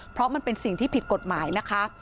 เพราะมันเป็นสิ่งที่ผิดกฎหมายนะคะ